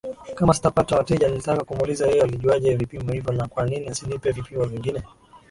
kama sitapata wateja Nilitaka kumuuliza yeye alijuaje vipimo hivyo na kwanini asinipe vipimo vingine